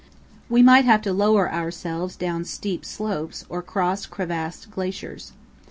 We might have to lower ourselves down steep slopes or cross crevassed glaciers.